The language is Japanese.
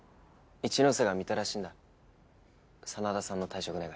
一ノ瀬が見たらしいんだ真田さんの退職願。